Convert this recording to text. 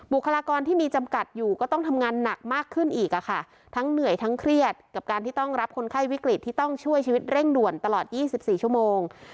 คลากรที่มีจำกัดอยู่ก็ต้องทำงานหนักมากขึ้นอีกค่ะทั้งเหนื่อยทั้งเครียดกับการที่ต้องรับคนไข้วิกฤตที่ต้องช่วยชีวิตเร่งด่วนตลอด๒๔ชั่วโมง